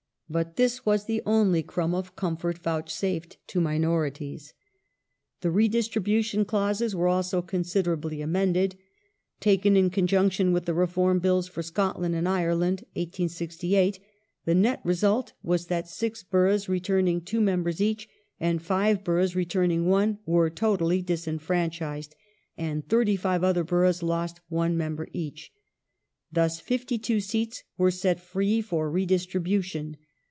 But this was the only crumb of comfort vouchsafed to minorities. The *' Redistribution " clauses were also considerably amended. Taken in conjunction with the Reform Bills for Scotland and Ireland (1868) the nett result was that 6 boroughs returning two members each, and 5 boroughs returning one, were totally disfran chised, and 35 other boroughs lost one member each. Thus 52 seats were set free for redistribution.